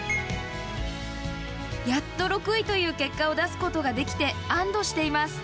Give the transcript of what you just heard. やっと６位という結果を出すことができて安どしています。